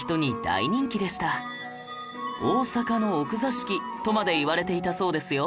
大阪の奥座敷とまで言われていたそうですよ